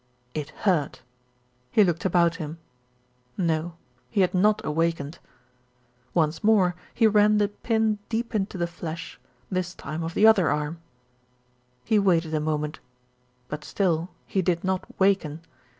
It hurt. He looked about him. No, he had not awakened. Once more he ran the pin deep into the flesh, this 42 THE RETURN OF ALFRED time of the other arm. He waited a moment; but still he did not awaken.